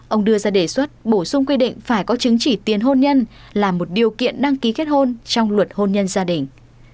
ông đưa ra đề xuất bổ sung quy định phải có chứng chỉ tiền hôn nhân là một điều kiện đăng ký kết hôn trong luật hôn nhân gia đình